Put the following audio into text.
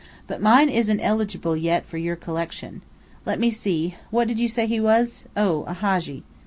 "But mine isn't eligible yet for your collection. Let me see, what did you say he was? Oh, a Hadji!"